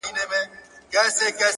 نه بابا خبر نه يم; ستا په خيالورې لور;